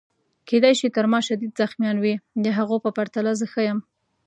کیدای شي تر ما شدید زخمیان وي، د هغو په پرتله زه ښه یم.